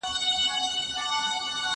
زه هره ورځ پاکوالي ساتم!